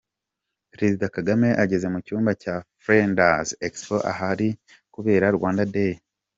Perezida Kagame ageze mu cyumba cya Flanders Expo ahari kubera Rwanda Day.